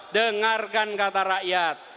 dengarkan kata rakyat